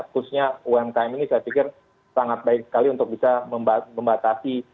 khususnya umkm ini saya pikir sangat baik sekali untuk bisa membatasi